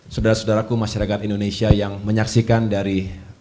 saudara saudaraku masyarakat indonesia yang menyaksikan dari